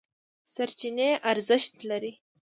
سرچینې ارزښت لري.